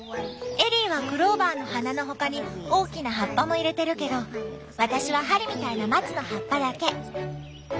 エリーはクローバーの花の他に大きな葉っぱも入れてるけど私は針みたいな松の葉っぱだけ。